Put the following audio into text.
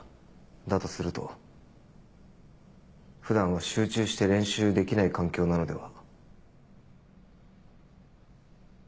だとすると普段は集中して練習できない環境なのでは。